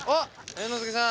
猿之助さん！